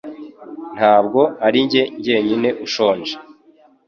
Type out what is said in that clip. Ntabwo ari njye jyenyine ushonje